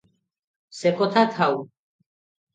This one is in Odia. ସେକଥା ଥାଉ ।